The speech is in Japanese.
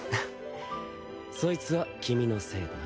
そいつは君のせいだな。